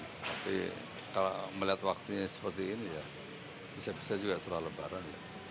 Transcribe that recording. tapi kalau melihat waktunya seperti ini ya bisa bisa juga setelah lebaran